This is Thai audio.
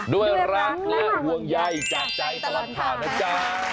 ด้วยรักและห่วงใยจากใจตลอดข่าวนะจ๊ะ